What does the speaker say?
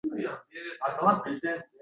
Shu o‘rinda tanazzul paytida